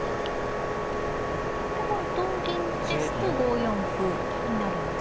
これは同銀ですと５四歩になるんですか。